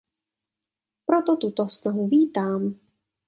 Proto tuto snahu vítám.